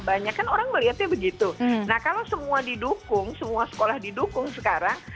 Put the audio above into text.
banyak kan orang melihatnya begitu nah kalau semua didukung semua sekolah didukung sekarang